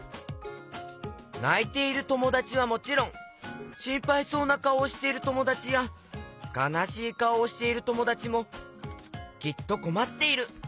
ないているともだちはもちろんしんぱいそうなかおをしているともだちやかなしいかおをしているともだちもきっとこまっている。